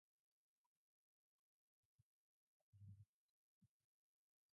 However, following the thalidomide disaster the development and licensing of drugs changed dramatically.